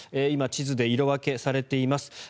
今、地図で色分けされています。